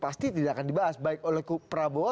pasti tidak akan dibahas baik oleh prabowo